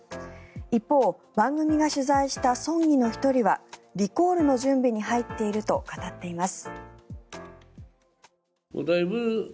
一方、番組が取材した村議の１人はリコールの準備に入っていると語っています。